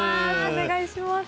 お願いします